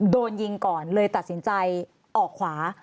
โดนยิงก่อนเลยตัดสินใจออกขวา